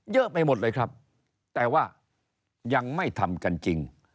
เยอะไปหมดเลยครับแต่ว่ายังไม่ทำกันจริง